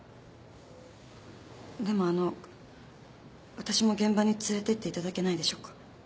でもあの私も現場に連れてっていただけないでしょうか。